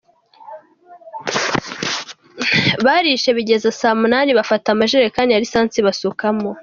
Barishe bigeze saa munini, bafata amajerekani ya Lisansi basukamo.